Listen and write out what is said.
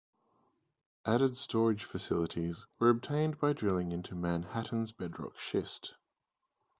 Added storage facilities were obtained by drilling into Manhattan's bedrock schist.